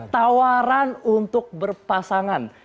tawaran untuk berpasangan